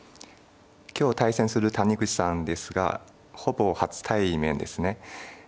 今日対戦する谷口さんですがほぼ初対面ですね。